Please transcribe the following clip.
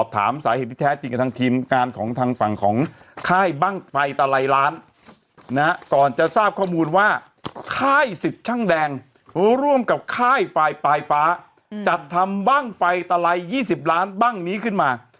ท่ายฝ่ายปลายฟ้าอืมจัดทำบั้งไฟตะไลล์ยี่สิบล้านบั้งนี้ขึ้นมา